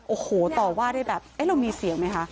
โอ้โหต่อว่าได้แบบเอ๊ะเรามีเสียงไหมคะ